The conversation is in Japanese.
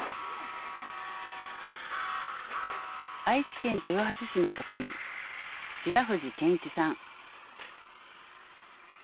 愛知県豊橋市の職員白藤謙一さん。